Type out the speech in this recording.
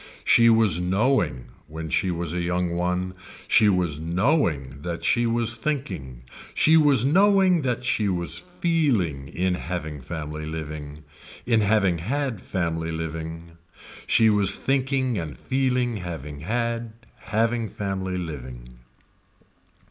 She was knowing, when she was a young one, she was knowing that she was thinking, she was knowing that she was feeling in having family living, in having had family living. She was thinking and feeling having had, having family living.